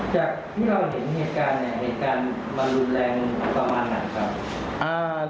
จากที่เราเห็นเหตุการณ์เนี่ยเหตุการณ์มันรุนแรงประมาณไหนครับ